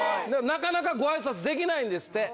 なかなか、ごあいさつできないんですって。